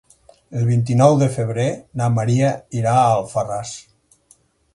El vint-i-nou de febrer na Maria irà a Alfarràs.